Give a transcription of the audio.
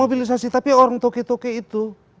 mobilisasi tapi orang toke toke itu